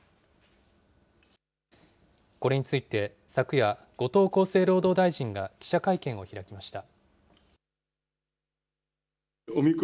これについて昨夜、後藤厚生労働大臣が記者会見を開きました。